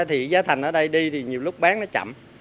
thì giá thành ở đây đi thì nhiều lúc bán nó chậm